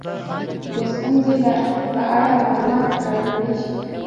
د ستونزې په اړه معلومات راټولیږي.